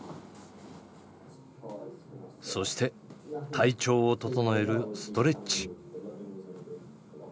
そして体調を整えるストレッチ。